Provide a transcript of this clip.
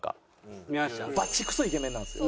バチクソイケメンなんですよ。